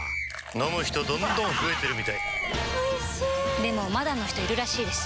飲む人どんどん増えてるみたいおいしでもまだの人いるらしいですよ